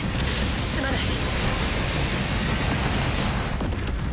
すまない。